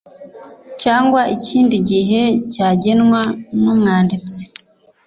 cyangwa ikindi gihe cyagenwa n umwanditsi